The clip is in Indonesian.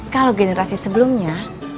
kalau generasi sebelumnya